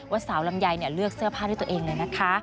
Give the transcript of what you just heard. สาวลำไยเลือกเสื้อผ้าด้วยตัวเองเลยนะคะ